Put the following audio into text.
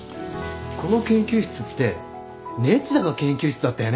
この研究室ってネチ田の研究室だったよね？